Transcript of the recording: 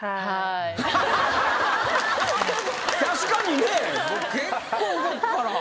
確かにね結構動くから。